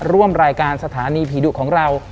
ร่วมรายการสถานีผีดุของเรา